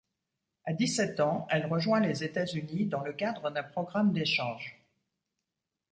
À dix-sept ans, elle rejoint les États-Unis dans le cadre d'un programme d'échange.